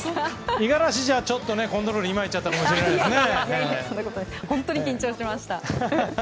五十嵐じゃコントロールがいまいちだったかもしれないですね。